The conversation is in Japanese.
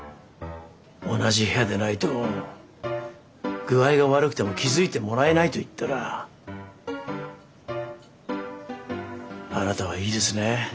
同じ部屋でないと具合が悪くても気付いてもらえないと言ったらあなたはいいですね。